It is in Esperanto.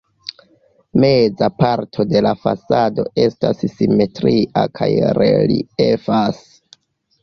Meza parto de la fasado estas simetria kaj reliefas.